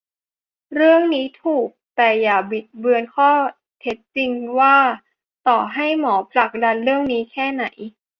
เรื่องนี้ถูก แต่อย่าบิดเบือนข้อเท็จจริงว่าต่อให้หมอผลักดันเรื่องนี้แค่ไหน